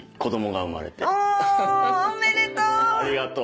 おめでとう！